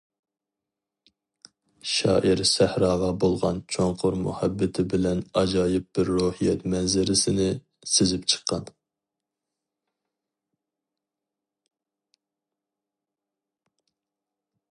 شائىر سەھراغا بولغان چوڭقۇر مۇھەببىتى بىلەن ئاجايىپ بىر روھىيەت مەنزىرىسىنى سىزىپ چىققان.